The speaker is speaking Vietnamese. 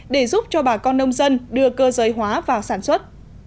để giúp cho bà con nông dân đưa cơ giới hóa vào sản xuất